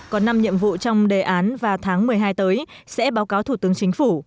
có năm nhiệm vụ trong đề án và tháng một mươi hai tới sẽ báo cáo thủ tướng chính phủ